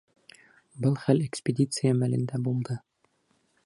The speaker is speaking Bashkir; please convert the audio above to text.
Был хәл экспедиция мәлендә булды.